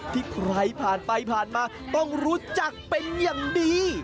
ที่ใครผ่านไปผ่านมาต้องรู้จักเป็นอย่างดี